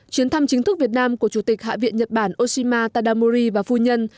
chuyến thăm chính thức việt nam của chủ tịch hạ viện nhật bản oshima tadamuri và phu nhân